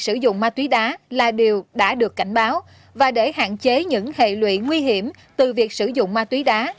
sử dụng ma túy đá là điều đã được cảnh báo và để hạn chế những hệ lụy nguy hiểm từ việc sử dụng ma túy đá